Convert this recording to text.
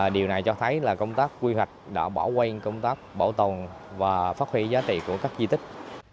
điều này cho thấy là công tác quy hoạch đã bỏ quên công tác bảo tồn và phát huy giá trị của các di tích